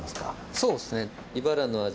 そうですね